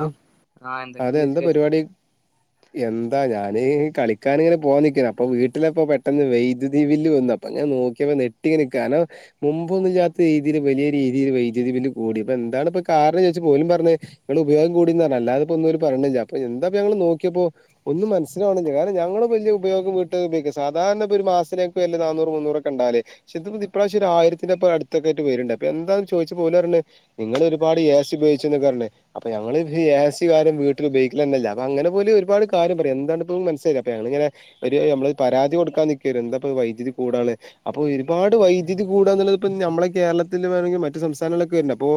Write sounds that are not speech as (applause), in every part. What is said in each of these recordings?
Hello ആ അതെ എന്തൊക്കെയുണ്ട് എന്താ വിശേഷം പരിപാടി എന്താ ഞാന് കളിക്കാനിങ്ങനെ പോക നിക്കുന്നു അപ്പൊ വീട്ടിലിപ്പൊ പെട്ടെന്ന് വൈദ്യുതി ബില്ല് വന്ന് അപ്പൊ ഞൻ നോക്കിയപ്പോ ഞെട്ടി നിൽക്കാനോ മുമ്പൊന്നും ഇല്ലാത്ത രീതിയില് വലിയ രീതിയിൽ വൈദ്യുതി ബില്ല് കൂടി ഇപ്പ എന്താണ് ഇപ്പൊ കാരണം ചോദിച്ച ഓലും പറഞ്ഞത് നിങ്ങൾ ഉപയോഗം കൂടിന്ന് അല്ലാതെ ഇപ്പൊ ഓരോന്നും പറഞ്ഞില്ല അപ്പൊന്താ ഞങ്ങള് നോക്കിയപ്പോ ഒന്നും മനസിലാവ്ണില്ല കാരണം ഞങ്ങള് വലിയ ഉപയോഗം വീട്ട് ഉപയോഗിക്ക സാധാരണ ഇപ്പോ ഒരു മാസത്തിലേക്ക് വല്ല നാന്നൂറ് മുന്നൂറ് ഒക്കെ ഉണ്ടാവല് പക്ഷെ ഇത് ഇപ്പൊ ഈ പ്രാവശ്യം ഒര് ആയിരത്തിന്റെ ഇപ്പ അടുത്തൊക്ക ആയിട്ട് വരുന്നുണ്ട് അപ്പൊ എന്താ ഇത് ചോയിച്ചപ്പോ ഓല് പറഞ്ഞു നിങ്ങള് ഒരുപാട് എ സി ഉപയോഗിച്ച് എന്ന് പറഞ്ഞത് അപ്പൊ ഞങ്ങള് ഈ ഏ സി ആരും വീട്ടിൽ ഉപയോഗിക്കല് തന്നെ ഇല്ല അപ്പ അങ്ങനെ ഇപ്പൊ ഓല് ഒരുപാട് കാര്യം പറയും എന്താണ് ഇപ്പം മനസായില്ല അപ്പ ഞങ്ങള് ഇങ്ങനെ ഒരു നമ്മള് പരാതി കൊടുക്കാൻ നിക്കേന്നു എന്താപ്പ വൈദ്യുതി കൂടാനുള്ളെ അപ്പൊ ഒരുപാട് വൈദ്യുതി കൂടുക എന്നുള്ളത് ഇപ്പം നമ്മളെ കേരളത്തില് വേണമെങ്കിൽ മറ്റു സംസ്ഥാനങ്ങളിലൊക്കെ വരുന്നുണ്ട് അപ്പൊ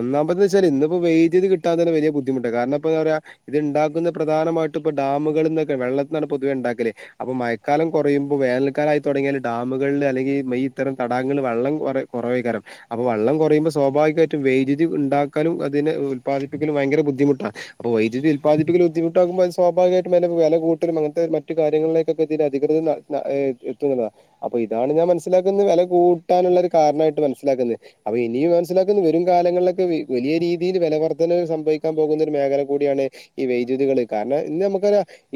ഒന്നാമത് വെച്ചാല് ഇന്ന് ഇപ്പോ വൈദ്യുതി കിട്ടാതെ ഒക്കെ വലിയ ബുദ്ധിമുട്ടാ കാരണം ഇപ്പോ അവര് ആ ഇത് ഉണ്ടാക്കുന്നത് പ്രധാനമായിട്ടും ഇപ്പൊ ഡാമുകളിൽ നിന്നൊക്കെ വെള്ളത്തിന്നാണ് പൊതുവെ ഉണ്ടാക്കല് അപ്പൊ മഴക്കാലം കുറയുമ്പോ വേനൽക്കാലായി തുടങ്ങിയാല് ഡാമുകളില് അല്ലെങ്കിൽ (unintelligible) ഇത്തരം തടാകങ്ങില് വെള്ളം കുറ കുറവെയ്കാരം അപ്പൊ വെള്ളം കുറയുമ്പോ സ്വാഭാവികായിട്ടും വൈദ്യുതി ഉണ്ടാക്കാനും അതിന് ഉലപ്പാദിപ്പിക്കല് ഭയങ്കര ബുദ്ധിമുട്ടാ. അപ്പൊ വൈദ്യുതി ഉല്പാദിപ്പിക്കല് ബുദ്ധിമുട്ടാവുമ്പോ അത് സ്വാഭാവികായിട്ടും വില കു വില കൂട്ടലും അങ്ങൻത്തെ മറ്റു കാര്യങ്ങിലേക്ക് ഒക്കെ ഇതിന്റെ അധികൃതർ ന്ന ഏഹ് എത്തും എന്നുള്ളതാ അപ്പൊ ഇതാണ് ഞാൻ മനസ്സിലാക്കുന്നത് വില കൂട്ടാനുള്ള ഒരു കാരണായിട്ട് മനസ്സിലാക്കുന്നത് അപ്പൊ ഇനിയും മനസ്സിലാക്കുന്നത് വരും കാലങ്ങളിലൊക്കെ വ വലിയ രീതിയില് വില വർ ധന സംഭവിക്കാൻ പോകുന്ന ഒരു മേഖല കൂടിയാണ് ഈ വൈദ്യുതികള് കാരണം ഇന്ന് നമുക്ക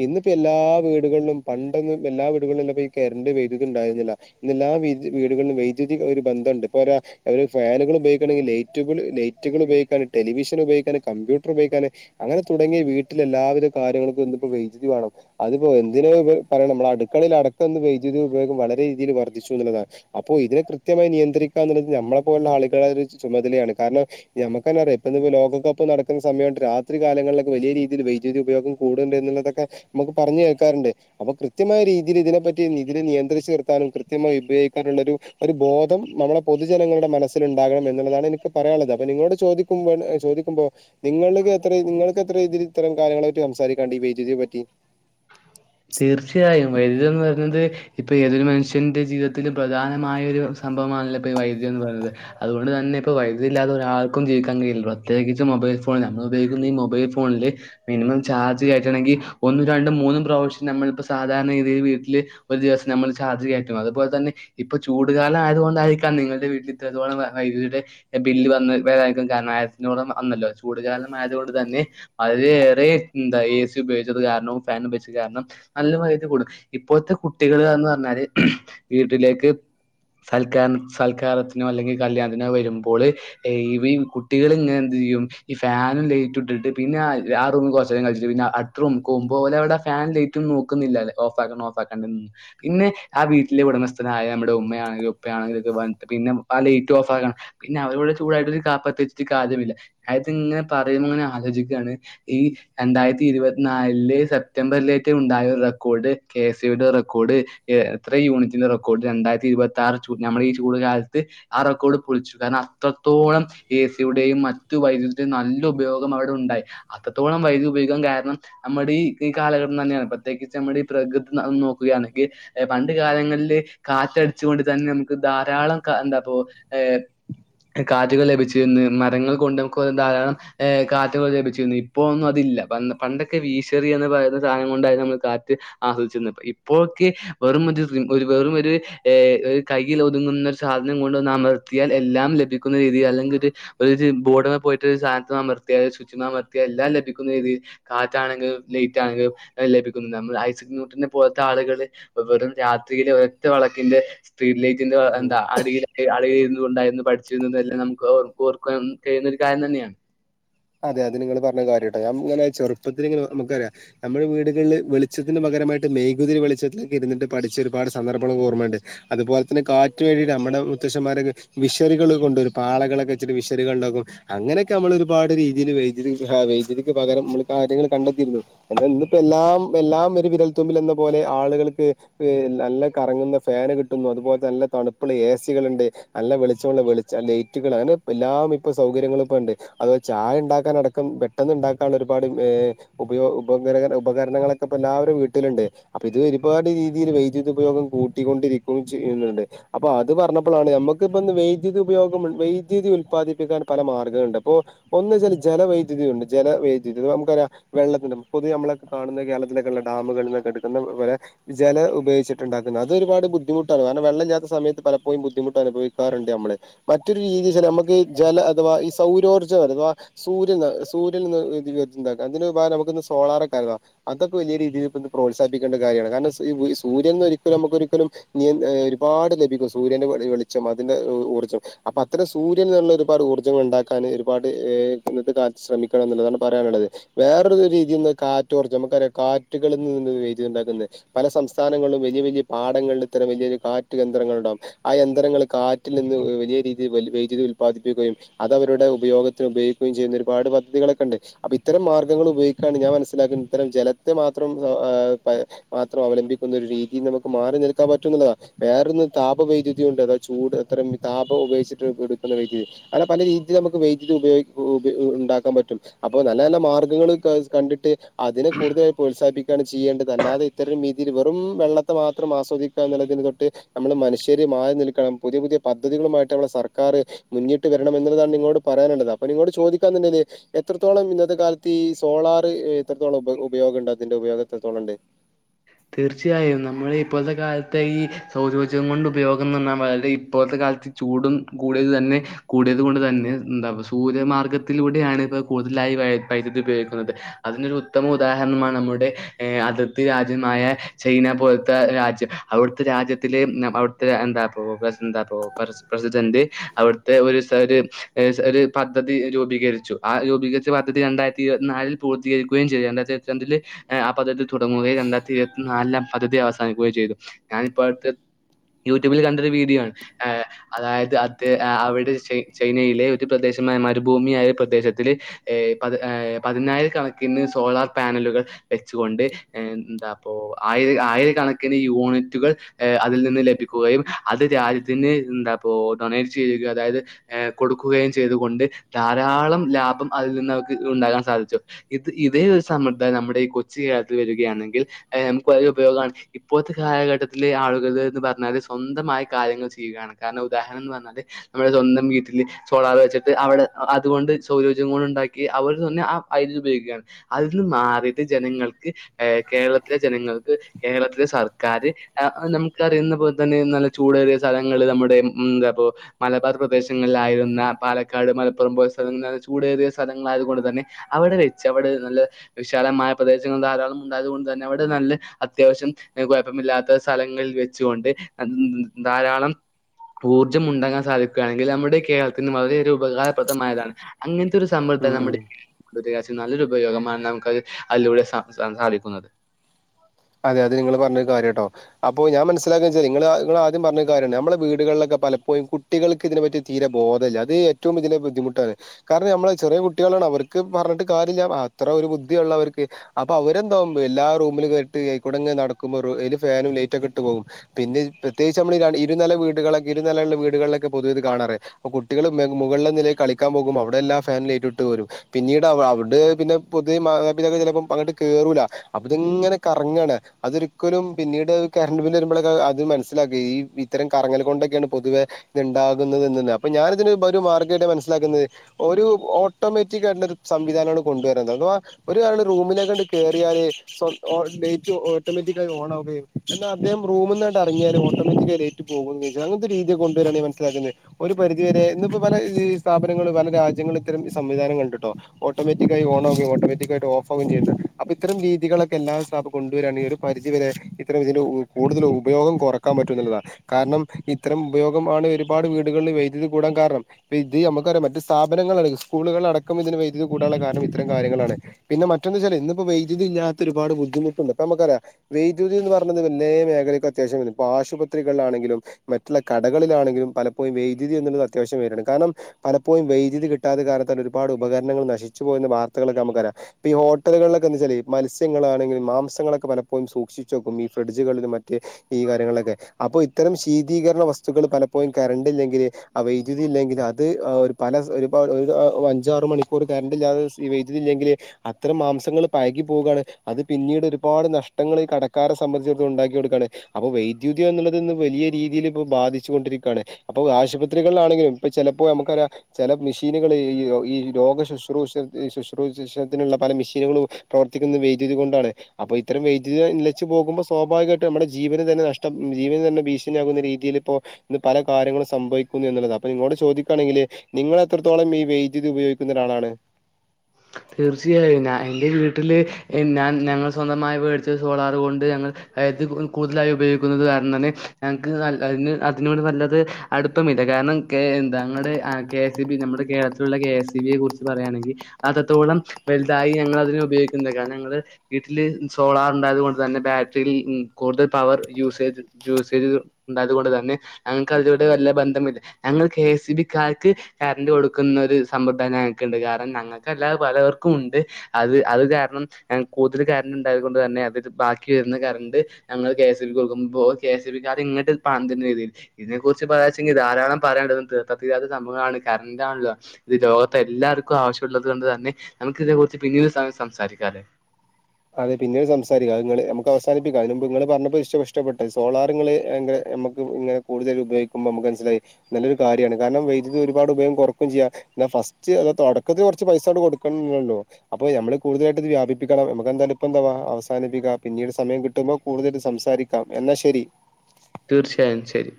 ഇന്ന് ഇപ്പ എല്ലാ വീടുകളിലും പണ്ടൊന്നും എല്ലാ വീടുകളിലൊന്നും ഇപ്പ ഈ കറന്റ് വൈദ്യുതി ഉണ്ടായിരുന്നില്ല ഇന്ന് എല്ലാ വൈദ്യു വീടുകളിലും വൈദ്യുതി ഒരു ബന്ധണ്ട് ഇപ്പൊ ഒരാ അവര് ഫാനുകൾ ഉപയോഗിക്കണെങ്കിൽ ലൈറ്റുകള് ലൈറ്റുകൾ ഉപയോഗിക്കാന് ടെലിവിഷൻ ഉപയോഗിക്കാന് കമ്പ്യൂട്ടർ ഉപയോഗിക്കാന് അങ്ങനെ തുടങ്ങിയ വീട്ടിലെ എല്ലാ വിധ കാര്യങ്ങൾക്കും ഇപ്പോ വൈദ്യുതി വേണം അത് ഇപ്പോ എന്തിന് (unintelligible) പറയണം നമ്മളെ അടുക്കളയിൽ അടക്കം ഇന്ന് വൈദ്യുതി ഉപയോഗം വളരെ രീതിയിൽ വർദ്ധിച്ചു എന്നുള്ളതാണ് അപ്പോ ഇതിനെ കൃത്യമായി നിയന്ത്രിക്കാ എന്നുള്ളത് നമ്മളെ പോലുള്ള ആളുകളുടെ ഒരു ചുമതലയാണ് കാരണം നമ്മക്കന്നെ അറിയാ ഇപ്പ ഇന്ന് ലോ ലോകകപ്പ് നടക്കുന്ന സമയണ്ട് രാത്രി കാലങ്ങളിലൊക്കെ വലിയ രീതിയില് വൈദ്യുതി ഉപയോഗം കൂടുന്നുണ്ട് എന്നുള്ളതൊക്കെ നമുക്ക് പറഞ്ഞ് കേൾക്കാറുണ്ട് അപ്പൊ കൃത്യമായ രീതിയില് ഇതിനെപ്പറ്റി ഇതിനെ നിയന്ത്രിച്ചു നിർത്താനും കൃത്യമായി ഉപയോഗിക്കാനും ഉള്ള ഒരു ഒരു ബോധം നമ്മളെ പൊതുജനങ്ങളുടെ മനസ്സിൽ ഉണ്ടാകണം എന്നുള്ളതാണ് എനിക്ക് പറയാനുള്ളത് അപ്പൊ നിങ്ങളോട് ചോദിക്കുമ്പോ ചോദി ക്കുമ്പോ നിങ്ങൾക്ക് എത്ര നിങ്ങൾക്ക് എത്ര രീതിയില് ഇത്തരം കാര്യങ്ങളെ പറ്റി സംസാരിക്കാനുണ്ട് ഈ വൈദ്യുതിയെ പറ്റി തീർച്ചയായും വൈദ്യുതി എന്ന് പറയുന്നത് ഇപ്പൊ ഏതൊരു മനുഷ്യന്റെ ജീവിതത്തിലും പ്രധാനമായ ഒരു സംഭവമാണല്ലോ ഇപ്പ ഈ വൈദ്യുതി എന്ന് പറയുന്നത് അതുകൊണ്ട് തന്നെ ഇപ്പ വൈദ്യുതി ഇല്ലാതെ ഒരാൾക്കും ജീവിക്കാൻ കഴിയൂലല്ലൊ പ്രത്യേകിച്ച് മൊബൈൽ ഫോൺ നമ്മള് ഉപയോഗിക്കുന്ന ഈ മൊബൈൽ ഫോണില് മിനിമം ചാർജ് കയറ്റണം എങ്കിൽ ഒന്നും രണ്ടും മൂന്നും പ്രാവശ്യം നമ്മളിപ്പോ സാധാരണ രീതിയില് വീട്ടില് ഒരു ദിവസം നമ്മൾ ചാർജ് കയറ്റും അതുപോലെ തന്നെ ഇപ്പൊ ചൂടുകാലം ആയതുകൊണ്ടായിരിക്കാം നിങ്ങളുടെ വീട്ടിൽ ഇത്രത്തോളം വ വൈദ്യുതിയുടെ എഹ് ബില്ല് വന്നത് വേറെ ആയിരിക്കും കാരണം ആയിരത്തിനോളം വന്നല്ലോ ചൂട് കാലം ആയതു കൊണ്ട് തന്നെ അത് ഏറെ എന്താ എ സി ഉപയോഗിച്ചത് കാരണവും ഫാൻ ഉപയോ ഗിച്ചത് കാരണം നല്ല വൈദ്യുതി കൂടും ഇപ്പോഴത്തെ കുട്ടികള് എന്ന് പറഞ്ഞാല് വീട്ടിലേക്ക് സൽകാരം സൽക്കാരത്തിനോ അല്ലെങ്കിൽ കല്യാണത്തിനോ വരുമ്പോള് ഈ വിം കുട്ടികള് ഇങ്ങനെ എന്തു ചെയ്യും ഈ ഫാനും ലൈറ്റും ഇട്ടിട്ട് പിന്നെ ആ ആ റൂമിൽ കുറച്ച് നേരം കളിച്ചിട്ട് പിന്നെ അ ടുത്ത റൂമിക്കു പോകുമ്പൊ ഓല് അവിടെ ആ ഫാനും ലൈറ്റും നോക്കുന്നില്ലല്ലൊ ഓഫ് ആക്കണോ ഓഫ് ആക്കണ്ടേ എന്ന് ഒന്നും പിന്നെ ആ വീട്ടിലെ ഉടമസ്ഥനായ നമ്മുടെ ഉമ്മയാണെങ്കിലും ഉപ്പയാ ണെങ്കിലും ഒക്കെ വന്നിട്ട് പിന്നെ ആ ലൈറ്റ് ഓഫ് ആക്കണം പിന്നെ അവരോട് ചൂടായിട്ട് ഒരു കാപ്പത്തച്ചിട്ട് കാര്യമില്ല അത് ഇങ്ങനെ പറയുമ്പ അങ്ങനെ ആലോചിക്കാണ് ഈ രണ്ടായിരത്തി ഇരുപത്തിനാലില് സെ പ്റ്റംബർല് ഒക്കെ ഉണ്ടായ ഒരു record K S E B യുടെ റെക്കോർഡ് ഏഹ് എത്ര യൂണിറ്റിന്റെ റെക്കോർഡ് രണ്ടായിരത്തി ഇരുപത്താറ് ചൂ നമ്മളെ ഈ ചൂട് കാലത്ത് ആ റെക്കോർഡ് പൊളിച്ചു കാരണം അത്രത്തോളം എ സിയുടെയും മറ്റു വൈദ്യുതിയുടെയും നല്ല ഉപയോഗം അവിടെ ഉണ്ടായി അത്രത്തോളം വൈദ്യുതി ഉപ യോഗിക്കാൻ കാരണം നമ്മുടെ ഈ ഈ കാലഘട്ടം തന്നെയാണ് പ്രത്യേകിച്ച് നമ്മുടെ ഈ പ്രകൃതി നോക്കുകയാണെങ്കിൽ പണ്ട് കാലങ്ങളില് കാറ്റടിച്ചു കൊണ്ട് തന്നെ നമുക്ക് ധാരാളം എന്താപ്പ ഏഹ കാറ്റുകൾ ലഭിച്ചിന്ന് മരങ്ങൾ കൊണ്ട് നമുക്ക് ധാരാളം ഏഹ കാറ്റുകൾ ലഭിച്ചിരുന്ന് ഇപ്പോന്നും അതില്ല പണ്ടൊക്കെ വീശെറിയ എന്ന് പറയുന്ന സാദനം കൊണ്ടായി രുന്നു നമ്മൾ കാറ്റ് ആസ്വദിച്ചിരുന്നെ ഇപ്പോഴൊക്കെ വെറും ഒരു വെറും ഒരു ഏഹ കയ്യിൽ ഒതുങ്ങുന്ന ഒരു സാധനം കൊണ്ടൊന്ന് അമർത്തിയാൽ എല്ലാം ലഭിക്കുന്ന രീതിയിൽ അല്ലെങ്കിൽ ഒരു ഒരു ബോർഡ പോയിട്ട ഒരു സാധന അമർത്തി സുചിമാ അമർ ത്തിയ എല്ലാം ലഭിക്കുന്ന രീതി കാറ്റാണെങ്കിൽ ലേറ്റ് ആണെങ്കിലും ലഭിക്കുന്നു നമ്മൾ ഐസക്ന്യൂട്ട നെ പോലത്തെ ആളുകള് വെറും രാത്രിയില് ഒരറ്റ വിളക്കിന്റെ സ്ട്രീറ്റ് ലൈറ്റിന്റെ ഉം എന്താ അടില് അടിയിരുന്നു കൊണ്ടായിരുന്നു പഠിച്ചിരുന്നത് എല്ലാം നമുക്ക് ഓർക്കാൻ കഴിയുന്ന ഒരു കാര്യം തന്നെയാണ് അതെ അത് നിങ്ങൾ പറഞ്ഞ കാര്യട്ട ഞാങ്ങനെ ചെറുപ്പത്തിലെ നമുക്കറിയാം നമ്മുടെ വീടുകളില് വെളിച്ചത്തിന്റെ പകരമായിട്ട് മെഴുകുതിരി വെളിച്ചത്തിലൊക്കെ ഇരുന്നിട്ട് പഠിച്ച ഒരുപാട് സന്ദർഭങ്ങൾ ഓർമ്മയുണ്ട് അതുപോലെ തന്നെ കാറ്റ് ന് വേണ്ടിട്ടു നമ്മ മുത്തശൻ മാരൊക്കെ വിഷറികൾ കൊണ്ടുവരും പാളകൾ ഒക്കെ വച്ചിട്ട് വിഷറികൾ ഉണ്ടാക്കും അങ്ങനെയൊക്കെ നമ്മൾ ഒരുപാട് രീതിൽ വൈദ്യതി വൈദ്യുതിക്ക് പകരം നമ്മ കാര്യങ്ങൾ കണ്ടെത്തിയിരുന്നു ഇന്നിപ്പോ എല്ലാം എല്ലാം ഒരു വിരൽ തുമ്പിൽ എന്ന പോലെ ആളുകൾക്ക് നല്ല കറങ്ങുന്ന ഫാന് കിട്ടുന്നു അതുപോലെ നല്ല തണുപ്പുള്ള ഏ സികളുണ്ട് നല്ല വെളിച്ചമുള്ള വെളിച്ച ലേറ്റുകൾ അങ്ങനെ എല്ലാം ഇപ്പ സൗകര്യങ്ങളും ഇപ്പ ഉണ്ട് അപോ ചായ ഉ ഉണ്ടാക്കാനടക്കം പെട്ടെന്ന് ഉണ്ടാക്കാനൻ ഒരുപാട് ഉപയോ ഉപ ഉപകരണങ്ങളൊക്കെ ഇപ്പ എല്ലാവരും വീട്ടിലുണ്ട് അപ്പൊ ഇത് ഒരുപാട് രീതിയിൽ വൈദ്യുതി ഉപയോഗം കൂട്ടിക്കൊണ്ടിരിക്കുകയും ചെയ്യുന്നുണ്ട് അപ്പൊ അത് പറഞ്ഞപ്പോഴാണ് നമുക്കിപ്പന്ന് വൈദ്യുതി ഉപയോഗം വൈദ്യുതി ഉല്പാദിപ്പിക്കാൻ പല മാർഗ്ഗങ്ങളുണ്ട് അപ്പോ ഒന്ന് ജലവൈദ്യുതിയ ഉണ്ട് ജലവൈദ്യുതി നമുക്കറിയാം വെള്ളത്തിന്റെ പൊതുയ നമ്മളൊക്കെ കാണുന്ന കേരളത്തിലൊക്കെയള്ള ഡാമുകളിൽ നിന്നൊക്കെ എടുക്കുന്നലെ ജല ഉപയോഗിച്ചിട്ടുണ്ടാക്കുന്നത് അത് ഒരുപാട് ബുദ്ധിമുട്ടാണ് കാരണം വെള്ളമില്ലാത്തമയത്ത് പലപ്പോഴും ബുദ്ധിമുട്ട് അനുഭവിക്കാറുണ്ട് നമ്മള് മറ്റൊരു രീതി ജ നമുക്ക് ജല അഥവാ ഈ സൗരോർജം അഥവാ സൂര്യൻ സൂര്യൻ അതിന്റെ വിപാം (unintelligible) നമുക്ക് സോളാറൊക്കെ അതൊക്കെ വലിയ രീതിൽ ഇപ്പൊ പ്രോത്സാഹിപ്പിക്കണ്ട കാര്യമാണ് കാരണം സൂര്യൻ ഒരിക്കലും നമുക്കൊരിക്കലും ന ഒരുപാട് ലഭിക്കും സൂര്യന്റെ വെളിച്ചം അതിന്റെ ഊർജ്ജം അപ്പൊ അത്രം സൂര്യന എന്നുള്ള ഒരുപാട് ഊർജ്ജൾ ഉണ്ടാക്കാാന് ഒരുപാട് ഏഹ ഇന്നത്തെ കാലത്ത് ശ്രമിക്കണം എന്നുള്ളതാണ് പറയാനുള്ളത് വേറൊരു രീതിന്ന് കാറ്റോർജ്ജം നമുക്കറിയാം കാറ്റുകളിൽ നിന്ന് വൈദ്യുതി ഉണ്ടാക്കുന്ന പല സംസ്ഥാനങ്ങളും വലിയ വലിയ പാടങ്ങളിൽ ഇത്തരം വലിയ വലിയ കാറ്റ് കേന്ദ്രങ്ങള ഉണ്ടാവും ആ യന്ത്രങ്ങൾ കാറ്റിൽ നിന്ന് വലിയ രീതിയിൽ വൈദ്യുതി ഉൽപാദിപ്പിക്കുകയും അത് അവരുടെ ഉപയോഗത്തിന് ഉപയോഗിക്കുകയും ചെയ്യുന്ന ഒരുപാട് പദ്ധതികളൊക്കെണ്ട് പ്പൊ ഇത്തരം മാർഗ്ഗങ്ങൾ ഉപയോഗിക്കുകാണ് ഞാൻ മനസ്സിലാക്കുന്നത് ഇത്തരം ജലത്തെ മാത്രം ഏഹ മാത്രം അവലംബിക്കുന്ന ഒരു രീതി നമുക്ക് മാറി നിൽക്കാൻ പറ്റുന്നതാ വേറെന്ന് താപ വൈദ്യുതിയുണ്ട് അതോ ചൂട് അതരം താപം ഉപയോഗിച്ചിട്ട് എടുക്കുന്ന വൈദ്യുതി അങ്ങനെ പല രീതിയിൽ നമുക്ക് വൈദ്യുതി ഉപയോ ഉപ ഉണ്ടാക്കാൻ പറ്റും അപ്പൊ നല്ല നല്ല മാർഗങ്ങൾ കണ്ടിട്ട് അതിനെ കൂടുതായി പ്രോത്സാഹിപ്പിക്കാണ് ചെയേണ്ടത് അല്ലാതെ ഇത്തരം വെറും വെള്ളത്തെ മാത്രം ആസ്വദിക്കുകുള്ളതിനെ തൊട്ട് നമ്മള് മനുഷ്യര് മാറി നിൽക്കണം പുതിയ പുതിയ പദ്ധതികളുമായിട്ട്മ്മടെ സർക്കാർ മുന്നിട്ട് വരണം എന്നതാണ് നിങ്ങളോട് പറയാനുള്ളത് അപ്പൊ നിങ്ങളോട് ചോദിക്കാന്നുള്ളത് എത്രത്തോളം ഇന്നത്തെ കാലത്ത് ഈ സോളാർ എത്രത്തോളം ഉ ഉപയോഗണ്ട് അതിന്റെ ഉപയോഗം എത്രത്തോളണ്ട് തീർച്ചയായും നമ്മള് ഇപ്പോഴത്തെ കാലത്തെ ഈ സൗരോർജ്യം കൊണ്ട് ഉപയോഗം എന്ന് പറഞ്ഞാല് ഇപ്പോഴത്തെ കാലത്ത് ചൂടും കൂടിയത് തന്നെ കൂടിയത് കൊണ്ട് തന്നെ എന്താ സൂര്യമാർഗ്ഗത്തിലൂടെയാണ് ഇപ്പോ കൂടുതലായി വൈദ്യു വൈദ്യുതി ഉപയോഗിക്കുന്നത് അതിനൊരു ഉത്തമ ഉദാഹരണമാണ് നമ്മുടെ ഏഹേ അതിർത്തി രാജ്യമായ ചൈന പോലത്തെ രാജ്യം അവിടുത്തെ രാജ്യത്തിലെ അവുടുത്തെ എന്താപ്പൊ എന്താപ്പൊ പ്രസിഡന്റ് അവിടുത്തെ ഒരു ഒര് ഏഹ് ഒരു പദ്ധതി രൂപീകരിച്ചു ആ രൂപകച്ച പദ്ധതി രണ്ടായിരത്തി ഇരുപത്തിനാലിൽ പൂർത്തീകരിക്കുകയും ചെയ്തു രണ്ടായിരത്തി ഇരുവത്തി രണ്ടില് ആ പദ്ധതി തുടങ്ങുകയും രണ്ടായിരത്തി ഇരുപത്തിനാലില് ആ പദ്ധതി അവസാനിക്കുകയും ചെയ്തു ഞാനിപ്പോഴത്തെ യൂട്യൂബില് കണ്ടൊരു വീഡിയോണ് അതായത് അദ്ധേ ആ അവ്ടെ ച ചൈനയിലെ ഒരു പ്രദേശമായ മരുഭൂമിയായ ഒരു പ്രദേശത്തില് ഏഹേ പതിനാ പതിനായിര കണക്കിന് സോളാർ പാനലുകൾ വെച്ചുകൊണ്ട് എന്താപ്പോ ആയിര ആയിരക്കണക്കിന് യൂണിറ്റുകൾ ഏഹ് അതിൽ നിന്നും ലഭിക്കുകയും അത് രാജ്യത്തിന് എന്താപ്പോ ഡൊണേറ്റ് ചെയ്യുകയും അതായത് ഏഹ് കൊടുക്കുകയും ചെയ്തുകൊണ്ട് ധാരാളം ലാഭം അതിൽ നിന്ന് അവർക്ക് ഉണ്ടാകാൻ സാധിച്ചു ഇത് ഇതേ ഒരു സംവിധാനം നമ്മുടെ ഈ കൊച്ചു കേരളത്തിൽ വരികയാണെങ്കി നമുക്ക് വളരെ ഉപയോഗമാണ് ഇപ്പോഴത്തെ കാലഘട്ടത്തില് ആളുകള് എന്ന് പറഞ്ഞാല് സ്വന്തമായി കാര്യങ്ങൾ ചെയ്യുകയാണ് കാരണം ഉദാഹരണംന്ന് പറഞ്ഞാല് നമ്മളെ സ്വന്തം വീട്ടില് സോളാർ വെച്ചിട്ട് അവിടെ അതുകൊണ്ട് സൗരോജ്യം കൊണ്ട്ണ്ടാക്കി അവര്തന്നെ ആ വൈദ്യുതി ഉപയോഗിക്കാണ് അതിൽ നിന്ന് മാറിയിട്ട് ജനങ്ങൾക്ക് ഏഹ് കേരളത്തിലെ ജനങ്ങൾക്ക് കേരളത്തിലെ സർക്കാര് നമുക്കറിയുന്ന പോലെ തന്നെ നല്ല ചൂടേറിയ സ്ഥലങ്ങളില് നമ്മുടെ ഇന്താപ്പോ മലബാർ പ്രദേശങ്ങളിലായിരുന്ന പാലക്കാട്, മലപ്പുറം പോലെ സ്ഥലങ്ങള് നല്ല ചൂടേറിയ സ്ഥലങ്ങളായതത് കൊണ്ട് തന്നെ അവ്ടെ വെച്ച് അവിടെ നല്ല വിശാലമായ പ്രദേശ ങ്ങൾ ധാരാളം ഉണ്ടായതു കൊണ്ട് തന്നെ അവിടെ നല്ല അത്യാവിശ്യം ഏഹ് കൊഴപ്പമില്ലാത്ത സ്ഥലങ്ങളിൽ വെച്ചുകൊണ്ട് അത് ധാരാളം ഊർജ്ജം ഉണ്ടാകാൻ സാധിക്കുകയാണെങ്കിൽ നമ്മുടെ ഈ കേരളത്തിന് വളരെയധികം ഉപകാരപ്രദമായതാണ് അങ്ങ നത്തൊരു സംഭവത്തെ ഉം ഉം നമ്മുടെ സൗരോജ്യ പ്രകാശം നല്ലൊരു ഉപയോഗമാണ് നമുക്കത് അതിലൂടെ സാധിക്കുന്നത് അതെ അത് ഇങ്ങള് പറഞ്ഞത് കാര്യാട്ടോ അപ്പോ ഞാൻ മനസ്സിലാക്ന്ന് വെച്ചാല് ഇങ്ങള് ആ ഇങ്ങള് ആദ്യം പറഞ്ഞൊരു കാര്യണ്ട് നമ്മളെ വീടുകളിലൊക്കെ പലപ്പോഴും കുട്ടി കൾക്ക് ഇതിനെപ്പറ്റി തീരെ ബോധമില്ല അത് ഏറ്റവും ഇതിന്റെ ബുദ്ധിമുട്ടാണ് കാരണം നമ്മള് ചെറിയ കുട്ടികളാണ് അവർക്ക് പറഞ്ഞിട്ട് കാര്യല്ല അത്ര ഒരു ബുദ്ധിയൊള്ളവർക്ക് അപ്പൊ അവരെന്താവും എല്ലാ റൂമിലും കേട്ട് അയ്ക്കുടങ്ങനെ നടക്കുമ്പോല് ഫാനും ലൈറ്റക്കെ ഇട്ട് പോവും പിന്നെ പ്രത്യേകിച്ച് നമ്മള് ഇരുന്നെല വീടുകള് ഇരുനെലള്ള വീടുകളിലൊക്കെ പൊതുവെ ഇത് കാണാറ് അപ്പൊ കുട്ടികള് മുകളില് നിലയിൽ കളിക്കാൻ പോകുമ്പോ അവ്ടെ എല്ലാ ഫാനും ലൈറ്റും ഇട്ടു പോരും പിന്നീട് അവ അവ്ടെ പിന്നെ പൊതുവെ മാതപിതക്കള് ചെലേപ്പം അങ്ങട്ട് കേറൂല അപ്പ ഇത്ങ്ങനെ കറങ്ങാണ് അതൊരിക്കലും പിന്നീട് കരണ്ട് ബില്ല് വരുമ്പളേക്കാരം അത് മനസ്സിലാക്ക ഈ ബി ഇത്തരം കറങ്ങൽ കൊണ്ടൊക്കെയാണ് പൊതുവെ ഇത്ണ്ടാകുന്നത് എന്ന് അപ്പൊ ഞാനിതിന് ഒരു മാർഗ്ഗമായിട്ട് മനസിലാക്കുന്നത് ഒരു ഓട്ടോമാറ്റിക് ആയിട്ടുള്ളൊരു സംവിധാനമാണ് കൊണ്ടുവരേണ്ടത് അഥവാ ഒര് ആളാണ്ട് റൂമിലേകാണ്ട് കേറിയാല് സ്വാ ഓ ലെയ്റ്റ് ഓട്ടോമാറ്റിക്കായി ഓണാവുകയും എന്നാ അദ്ദേഹം റൂമ്ന്നാട്ട് എറങ്ങിയാല് ഓട്ടോമാറ്റിക്കായി ലെയ് പോകുന്ന അങ്ങത്തെ രീതിയൊക്കെ കൊണ്ടുവരാണെങ്കി മനസ്സിലാക്കുന്നെ ഒരു പരിധിവരെ ഇന്നിപ്പോ പല സ്ഥാപനങ്ങളും പല രാജ്യങ്ങളും ഇത്തരം സംവിധാനങ്ങള് ഇണ്ട്ട്ടോ ഓട്ടോമാറ്റിക്കായി ഓണാവുകയും ഓട്ടോമാറ്റിക്കായിട്ട് ഓഫാവ്കയും ചെയ്തിട്ട് അപ്പൊ ഇത്തരം രീതികളെ ക്കെ എല്ലാ (unintelligible) കൊണ്ടുവരാണെങ്കി ഒരു പരിധിവരെ ഇത്തരം ഇതിന്റെ കൂടുതൽ ഉപയോഗം കൊറക്കാൻ പറ്റുംന്നുള്ളതാണ്. കാരണം ഇത്തരം ഉപയോഗം ആണ് ഒരുപാട് വീടുകളില് വൈദ്യുതി കൂടാൻ കാരണം. ഇപ്പ ഇത് ഞമ്മുക്കറിയ മറ്റ് സ്ഥാപനങ്ങൾ സ്കൂൾകൾ അടക്കം ഇതിന് വൈധ്യുതി കൂടാനുള്ള കാരണം ഇത്തരം കാര്യങ്ങളാണ്. പിന്നെ മറ്റൊന്ന്ചാല് ഇന്ന് ഇപ്പോ വൈദ്യതി ഇല്ലാത്ത ഒരുപാട് ബുദ്ധിമുട്ടണ്ട് ഇപ്പൊ ഞമക്കറയാ വൈദ്യുതി എന്ന് പറഞ്ഞത് എല്ലേ മേഖലക്കും അത്യാവിശ്യം വരും ഇപ്പ ആശുപത്രികളിലാണെങ്കിലും. മറ്റുള്ള കടകളിലാണെങ്കിലും പലപ്പോയും വൈദ്യുതി എന്നത് അത്യാവിശ്യം വരാണ് കാരണം. പലപ്പോയും വൈദ്യുതി കിട്ടാതെ കാരണത്താൽ ഒരുപാട് ഉപകരണങ്ങൾ നശിച്ചു പോയെന്ന വാർത്തകളൊക്കമ്മക്കറയാം. ഇപ്പ ഈ ഹോട്ടലുകൾലൊക്കെ എന്താ വെച്ചാലെ മത്സ ത്സ്യങ്ങളാണെങ്കിൽ മാംസങ്ങളൊക്കെ പലപ്പോഴും സൂക്ഷിച്ചുവെക്കും ഈ ഫ്രഡ്ജുകളും മറ്റ് ഈ കാര്യങ്ങളൊക്കെ. അപ്പൊ ഇത്തരം ശീതീകരണ വസ്തുക്കൾ പലപ്പോയും കരണ്ട് ഇല്ലെങ്കില് ആ വൈദ്യുതി ഇല്ലെങ്കിലിൽ അത് ഒ പല ഒരു ഒരു അഞ്ചാറ് മണിക്കൂർ കരണ്ടില്ലാതെ വൈദുതില്ലെങ്കിൽ. അത്തരം മാംസങ്ങള് പയകി പോകാണ്. അത് പിന്നീട് ഒരുപാട് നഷ്ടങ്ങൾ ഈ കടക്കാരെ സംബന്ധിച്ചിടത്ത് ഉണ്ടാക്കി കൊടുക്കാണ്. അപ്പൊ വൈദ്യുതി എന്നുള്ളത് ഇന്ന് വലിയ രീതീലിപ്പോ ബാധിച്ചു കൊണ്ടിരിക്കാണ്. അപ്പൊ ആശുപത്രികളിലാണെങ്കിലും ഇപ്പ ചെലപ്പോ ഞമുക്കറിയ ചെല മെഷീനുകൾ ഈ ഈ രോഗ ശുശ്രൂഷ ശുശ്രൂഷഷത്തിനുള്ള പല മെഷീനുകളും പ്രവർത്തിക്കുന്ന വൈദ്യുതി കൊണ്ടാണ്. അപ്പൊ ഇത്തരം വൈദ്യുതി നിലച്ചു പോകുമ്പോ സ്വാഭാവികവായിട്ടും അമ്മുടെ ജീവന് തന്നെ നഷ്ടം ജീവനും തന്നെ ഭീഷണിയാകുന്ന രീതിയില ഇപ്പോ ഇന്ന് പല കാര്യങ്ങളും സംഭവിക്കും എന്നുള്ളത് അപ്പൊ നിങ്ങളോട് ചോദിക്കാണെങ്കില് നിങ്ങെളെത്രത്തോളം ഈ വൈദ്യുതി ഉപയോഗിക്കുന്ന ഒരാളാണ്. തീർച്ചയായും ഞാ എൻ്റെ വീട്ടിൽ ഞാൻ ഞങ്ങൾ സ്വന്തമായി മേടിച്ച സോളാർ കൊണ്ട് ഞങ്ങ അതായത് കൂടുതലായി ഉപയോഗിക്കുന്നത് കാരണം തന്നെ ഞങ്ങൾക്ക് അതിന് അതിനുവേണ്ട നല്ലത് അടുപ്പമില്ല കാരണം ക എന്താ കെ എ സി ബി നമ്മുടെ കേരത്തിലുള്ള കെ എസ് സി ബിയെ കുറിച്ച് പറയാണെങ്കി. അത്രത്തോളം വലുതായി ഞങ്ങൾ അതിനെ ഉപയോഗിക്കുന്ന കാരണം ഞങ്ങള്. വീട്ടില് സോളാർ ഉണ്ടായത് കൊണ്ട് തന്നെ ബാറ്ററിൽ കൂടുതൽ പവർ യൂസേജ് (unintelligible) ഉണ്ടായത് കൊണ്ട് തന്നെ അങ്ങന ഞങ്ങക് അതിനോട് വല്ല ബന്ധമില്ല. ഞങ്ങൾ കെ എസ് ഇ ബിക്കാർക്ക് കറണ്ട്റ് കൊടുക്കുന്ന ഒരു സമ്പ്രദായം ഞങ്ങക്കുണ്ട് കാരണം ഞങ്ങ ക്കല്ലാതെ പലവർക്കും ഉണ്ട്. അത് അത് കാരണം ഞങ്ങക് കൂതൽ കരണ്ട് ഉണ്ടായത് കൊണ്ട് തന്നെ അതില് ബാക്കി വരുന്ന കരണ്ട്. ഞങ്ങൾ കെ എസ് ഇ ബിക്ക് കൊടുക്കുമ്പോ കെ എസ് ഇ ബി ക്കാര് ഇങ്ങട്ട് പണം തെരുന്ന രീതിയിൽ ഇതിനെക്കുറിച്ച് പറയാച്ചെങ്കിൽ ധാരാളം പറയാണ്ടത് ഇതൊന്നും തീർഥത്തിരാത്ത സംഭവങ്ങളാണ് കറന്റാണല്ലോ. ഇത് ലോകത്തെ എല്ലാർക്കും ആവശ്യമുള്ളത് കൊണ്ട് തന്നെ നമുക്ക് ഇതിനെ കുറിച്ച് പിന്നീട് സമയം സംസാരിക്കാം അല്ലേ. അതെ പിന്നീട് സംസാരിക്കാം ഇങ്ങള് നമക്ക് അവാനിപ്പിക്കാം അതിനു മുമ്പ് ഇങ്ങള് പറഞ്ഞപ്പോ ഇഷ്ട ഇഷ്ടപ്പെട്ട സോളാറ് ഇങ്ങള്. ഇങ്ങനെ കൂടുതൽ ഉപയോഗുമ്പോ ഞമ്മുക്ക് മനസ്സിലായി നല്ലൊരു കാര്യാണ് കാരണം വൈദ്യുതി ഒരുപാട് ഉപയോഗം കൊറക്കും ചെയ്യാം. ഇന്നാ ഫസ്റ്റ് അതാ തൊടക്കത്തിൽ കൊറച്ച് പൈസട് കൊടുക്കണം നൊള്ളൂ അപ്പ ഞമ്മള് കൂടുതലായിട്ട് ഇത് വ്യാപിപ്പിക്കണം ഞമ്മ ക്ക് ഇപ്പൊ എന്തായാലും അവസാനിപ്പിക്കാ പിന്നീട് സമയം കിട്ടുമ്പോ കൂടുതൽ സംസാരിക്കാം എന്നാ ശരി. തീർച്ചയായും ശരി.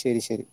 ശരി ശരി.